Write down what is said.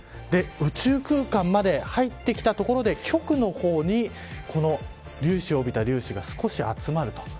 宇宙空間まで入ってきたところで極の方に粒子を帯びた少し集まると。